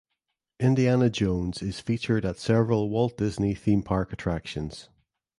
Indiana Jones is featured at several Walt Disney theme park attractions.